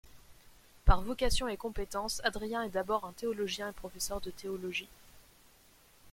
Par vocation et compétence, Adrien est d’abord un théologien et professeur de théologie.